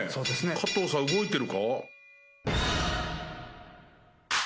加藤さん動いてるか？